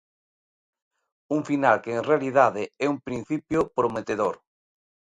Un final que en realidade é un principio prometedor.